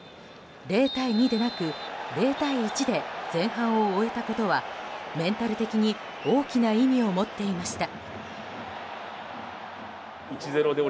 ０対２でなく０対１で前半を終えたことはメンタル的に大きな意味を持っていました。